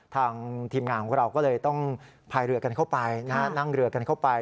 ทางทีมงานของเราก็เลยต้องพายเรือกันเข้าไปนั่งเรือกันเข้าไป